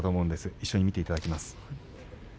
一緒に見ていただきます。